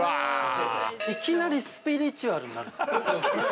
◆いきなりスピリチュアルになるの？